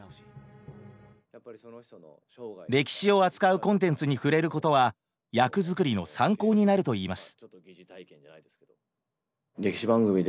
歴史を扱うコンテンツに触れることは役作りの参考になるといいます。